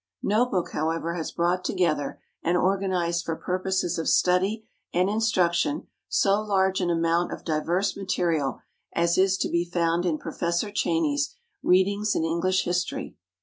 No book, however, has brought together and organized for purposes of study and instruction so large an amount of diverse material as is to be found in Professor Cheyney's "Readings in English History."